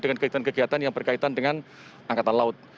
dengan kegiatan kegiatan yang berkaitan dengan angkatan laut